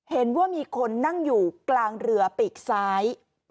เห็นว่ามีคนนั่งอยู่กลางเรือปีกซ้าย